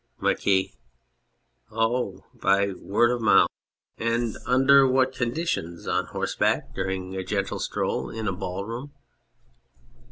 MARQUIS. Oh, by word of mouth ! And under 215 On Anything what conditions ? On horseback ? During a gentle stroll ? In a ball room